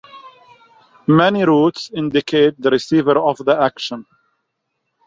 Many roots indicate the receiver of the action.